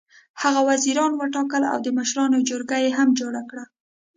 هغه وزیران وټاکل او د مشرانو جرګه یې هم جوړه کړه.